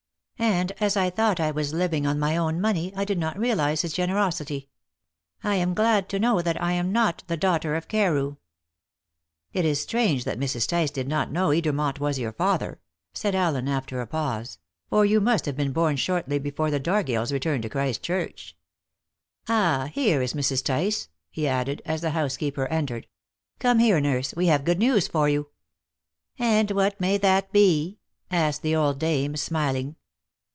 And, as I thought I was living on my own money, I did not realize his generosity. I am glad to know that I am not the daughter of Carew." "It is strange that Mrs. Tice did not know Edermont was your father," said Allen, after a pause, "for you must have been born shortly before the Dargills returned to Christchurch. Ah, here is Mrs. Tice," he added, as the housekeeper entered. "Come here, nurse; we have good news for you." "And what may that be?" asked the old dame, smiling.